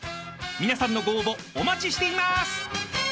［皆さんのご応募お待ちしています！］